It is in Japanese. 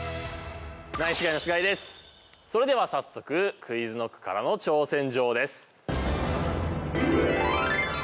それでは早速ＱｕｉｚＫｎｏｃｋからの挑戦状です。